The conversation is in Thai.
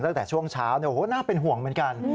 ตั้งแต่ช่วงเช้าน่าเป็นห่วงเหมือนกัน